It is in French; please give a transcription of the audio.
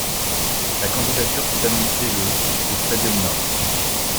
La candidature fut annoncée le au Stadium Nord.